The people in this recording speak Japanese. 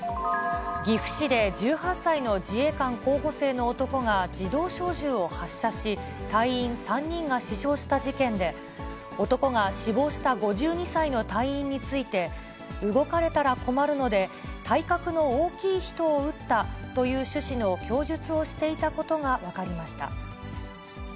岐阜市で１８歳の自衛官候補生の男が自動小銃を発射し、隊員３人が死傷した事件で、男が死亡した５２歳の隊員について、動かれたら困るので、体格の大きい人を撃ったという趣旨の供述をしていたことが分かりました。